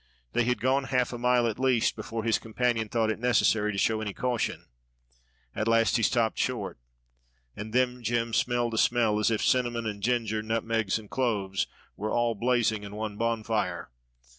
They had gone half a mile at least before his companion thought it necessary to show any caution. At last he stopped short, and then Jem smelled a smell as if "cinnamon and ginger, nutmegs and cloves," were all blazing in one bonfire.